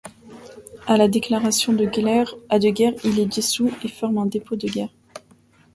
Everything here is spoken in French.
À la déclaration de guerre, il est dissout, et forme un dépôt de guerre.